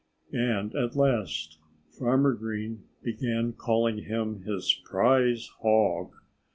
And at last Farmer Green began calling him his "prize hog."